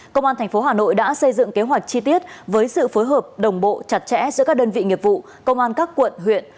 công an tp hà nội đã xây dựng kế hoạch chi tiết với sự phối hợp đồng bộ chặt chẽ giữa các đơn vị nghiệp vụ công an các quận huyện